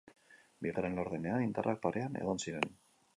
Bigarren laurdenean indarrak parean egon ziren.